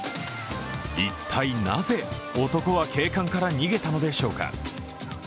一体、なぜ男は警官から逃げたのでしょうか？